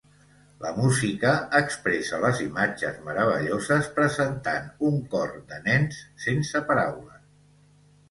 La música expressa les imatges meravelloses presentant un cor de nens sense paraules.